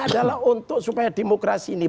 adalah untuk supaya demokrasi ini